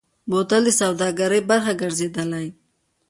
بوتل د سوداګرۍ برخه ګرځېدلی.